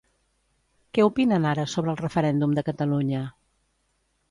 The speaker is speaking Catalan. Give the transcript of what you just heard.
Què opinen ara sobre el referèndum de Catalunya?